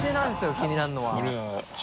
気になるのは。